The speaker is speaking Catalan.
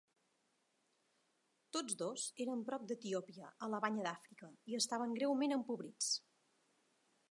Tots dos eren prop d'Etiòpia a la Banya d'Àfrica i estaven greument empobrits.